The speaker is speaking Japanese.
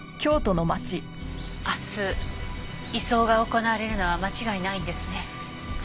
明日移送が行われるのは間違いないんですね？